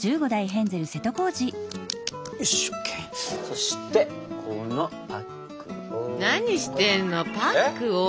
そしてこのパックを。